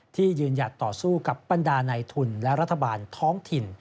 ที่ยืนหยัดต่อสู้กับบรรดาในทุนและรัฐบาลท้องถิ่น